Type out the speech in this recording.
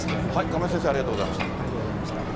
亀井先生、ありがとうございました。